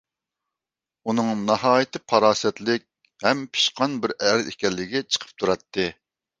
ئۇنىڭ ناھايىتى پاراسەتلىك ھەم پىشقان بىر ئەر ئىكەنلىكى چىقىپ تۇراتتى.